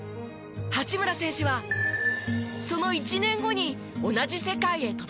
八村選手はその１年後に同じ世界へ飛び込みました。